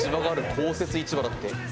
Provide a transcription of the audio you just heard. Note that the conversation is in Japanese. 公設市場だって。